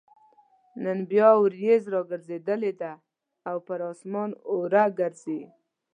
نن بيا اوريځ راګرځېدلې ده او پر اسمان اوره ګرځي